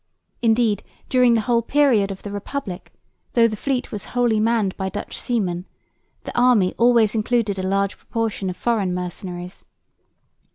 Indeed during the whole period of the Republic, though the fleet was wholly manned by Dutch seamen, the army always included a large proportion of foreign mercenaries.